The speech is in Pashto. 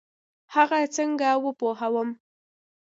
هغه څنګه وپوهوم؟